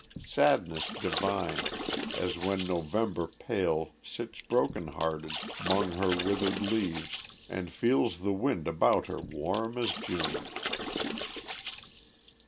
Sadness divine! as when November pale Sits broken hearted 'mong her withered leaves, And feels the wind about her warm as June.